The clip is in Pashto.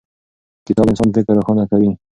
کتاب د انسان فکر روښانه کوي.